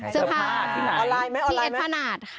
ซื้อผ้าที่ไหน